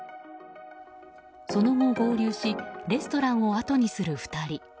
その後、合流しレストランをあとにする２人。